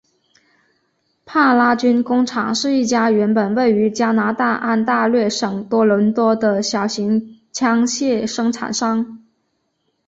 帕拉军工厂是一家原本位于加拿大安大略省多伦多的小型枪械生产商。